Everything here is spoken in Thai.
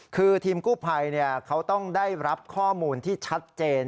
คือทีมกู้ภัยเขาต้องได้รับข้อมูลที่ชัดเจน